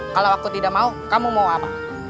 kalau aku tidak mau kamu mau apa